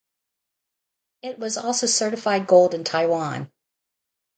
It was also certified Gold in Taiwan.